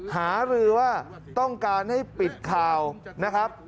หารือว่าต้องการให้ปิดข่าวนะครับ